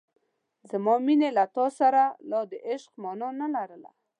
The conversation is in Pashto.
زما مینې له تا سره لا د عشق مانا نه لرله.